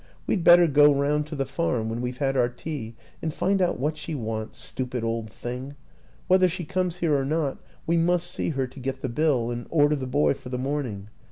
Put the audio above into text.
We'd better go round 64 WILLIAM AN ENGLISHMAN to the farm when we've had our tea and find out what she wants stupid old thing ! Whether she comes here or not, we must see her to get the bill and order the boy for the morning.